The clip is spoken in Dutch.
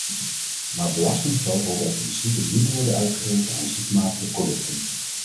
Maar belastinggeld hoort uit principe niet te worden uitgegeven aan ziekmakende producten.